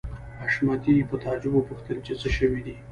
حشمتي په تعجب وپوښتل چې څه شوي دي